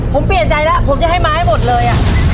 ผมเปลี่ยนใจแล้วผมจะให้ไม้หมดเลย